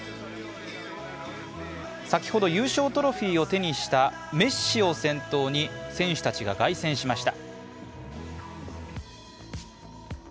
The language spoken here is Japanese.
先ほど、優勝トロフィーを手にしたメッシを先頭に選手たちが凱旋しました。